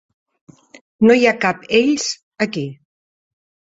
No hi ha cap "ells" aquí.